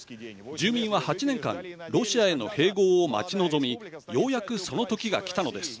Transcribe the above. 住民は８年間ロシアへの併合を待ち望みようやく、その時が来たのです。